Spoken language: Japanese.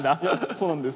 そうなんです。